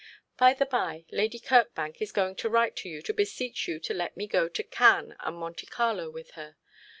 'By the bye, Lady Kirkbank is going to write to you to beseech you to let me go to Cannes and Monte Carlo with her.